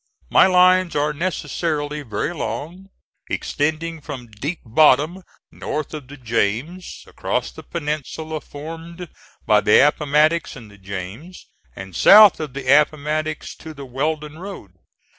My lines are necessarily very long, extending from Deep Bottom north of the James across the peninsula formed by the Appomattox and the James, and south of the Appomattox to the Weldon Road.